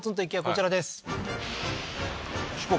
こちらです四国？